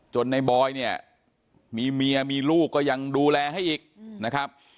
ในบอยเนี่ยมีเมียมีลูกก็ยังดูแลให้อีกนะครับ